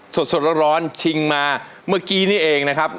สดร้อนชิงมาเมื่อกี้นี่เองนะครับ